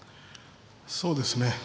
そうですね。